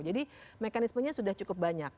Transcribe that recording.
jadi mekanismenya sudah cukup banyak